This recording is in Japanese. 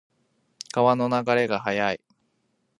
川の流れが速い。